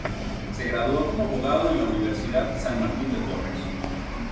Se graduó como Abogado en la Universidad San Martín de Porres.